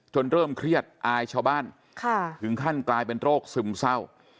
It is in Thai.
เริ่มเครียดอายชาวบ้านถึงขั้นกลายเป็นโรคซึมเศร้า